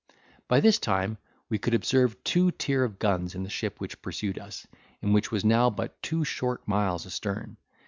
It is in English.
By this time, we could observe two tier of guns in the ship which pursued us, and which was now but two short miles astern.